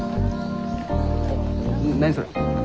何それ？